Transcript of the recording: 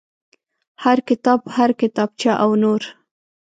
هر کتاب هر کتابچه او نور.